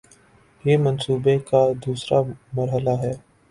یہ منصوبے کا دوسرا مرحلہ ہے